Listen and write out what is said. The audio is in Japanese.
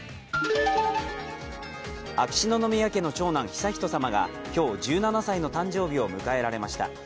秋篠宮家の長男・悠仁さまが今日、１７歳の誕生日を迎えられました。